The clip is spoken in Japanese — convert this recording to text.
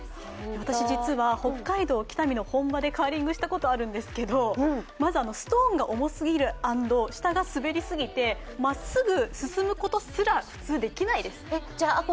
私実は、北海道北見の本場でカーリングしたことがあるんですけど、まず、ストーンが重すぎるアンド、下が滑りすぎることで真っ直ぐ進むことすら、普通、できないです。